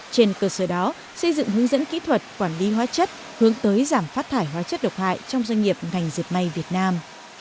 trên cơ sở đó xây dựng hướng dẫn kỹ thuật quản lý hóa chất hướng tới giảm phát thải hóa chất độc hại trong doanh nghiệp ngành dẹp may việt nam